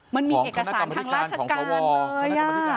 มันมีเอกสารทางราชการของสอวอร์